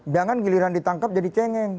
jangan giliran ditangkap jadi cengeng